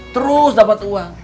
terus dapet uang